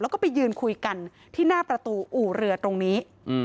แล้วก็ไปยืนคุยกันที่หน้าประตูอู่เรือตรงนี้